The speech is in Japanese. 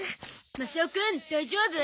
マサオくん大丈夫？